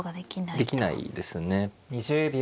できないですね。